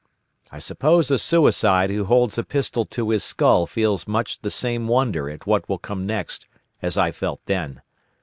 I suppose a suicide who holds a pistol to his skull feels much the same wonder at what will come next as I felt then.